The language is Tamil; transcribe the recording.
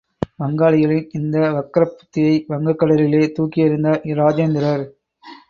வங்காளிகளின் இந்த வக்ரப் புத்தியை வங்கக் கடலிலே தூக்கி எறிந்தார் இராஜேந்திரர்!